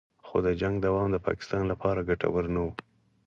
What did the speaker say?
خو د جنګ دوام د پاکستان لپاره ګټور نه و